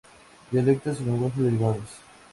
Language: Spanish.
Dialectos y lenguajes derivados.